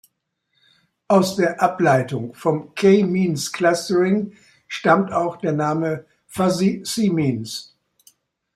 Aus der Ableitung vom k-Means-Clustering stammt auch der Name "Fuzzy-c-Means.